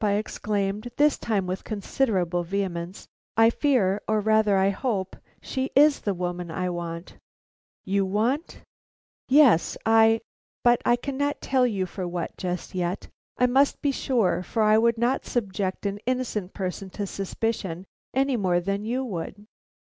I exclaimed, this time with considerable vehemence, "I fear, or rather I hope, she is the woman I want." "You want!" "Yes, I; but I cannot tell you for what just yet. I must be sure, for I would not subject an innocent person to suspicion any more than you would."